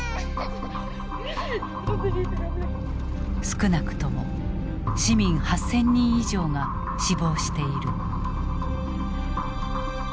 少なくとも市民８，０００人以上が死亡している。